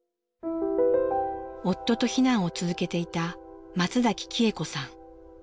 夫と避難を続けていた松崎喜恵子さん。